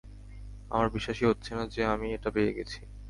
আমার বিশ্বাসই হচ্ছে না যে আমি এটা পেয়ে গেছি।